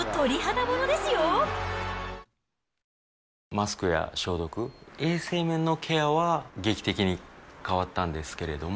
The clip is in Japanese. マスクや消毒衛生面のケアは劇的に変わったんですけれども